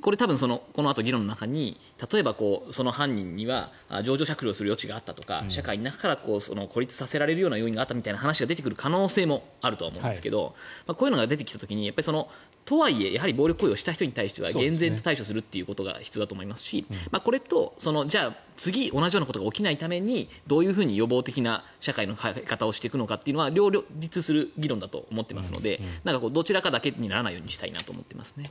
これ、多分このあと議論の中に例えば犯人には情状酌量する余地があったとか社会の中から孤立させられるような要因があったという話が出てくると思いますがこういうのが出てきた時にとはいえ暴力行為した人には厳然と対処することが必要だと思いますしこれと、次同じようなことが起きないためにどういうふうに予防的な社会の考え方をするのは両立する議論だと思っているのでどちらかだけにならないようにしたいなと思ってますね。